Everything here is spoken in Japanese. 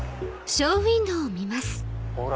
ほら！